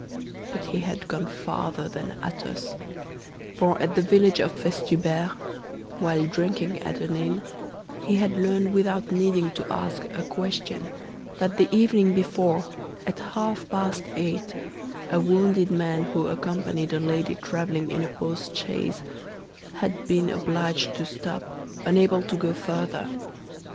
But he had gone farther than Athos—for at the village of Festubert, while drinking at an inn, he had learned without needing to ask a question that the evening before, at half past eight, a wounded man who accompanied a lady traveling in a post chaise had been obliged to stop, unable to go further.